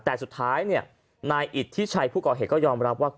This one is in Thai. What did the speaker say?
แต่สุดท้ายเนี้ยนะคะนายอิสที่ชัยที่ก็ย้อมรับว่า